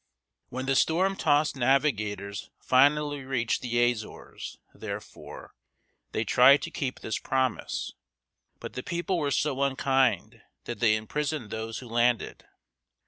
When the storm tossed navigators finally reached the Azores, therefore, they tried to keep this promise; but the people were so unkind that they imprisoned those who landed.